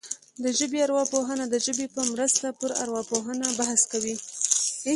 د ژبې ارواپوهنه د ژبې په مرسته پر ارواپوهنه بحث کوي